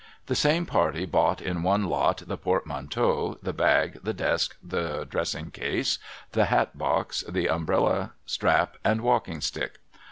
The same party bought in one lot the port manteau, the bag, the desk, the dressing case, the hat box, the uAbrella, strap, and walking stick.